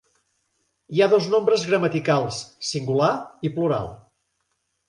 Hi ha dos nombres gramaticals: singular i plural.